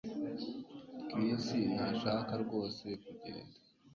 Chris ntashaka rwose kugenda